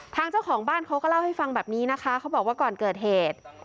ทางเจ้าของบ้านเขาก็เล่าให้ฟังแบบนี้นะคะเขาบอกว่าก่อนเกิดเหตุ